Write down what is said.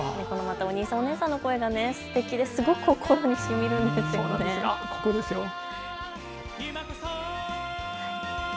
お兄さん、お姉さんの声がすてきですごく心にしみるんですよね。